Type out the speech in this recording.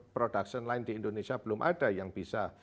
production lain di indonesia belum ada yang bisa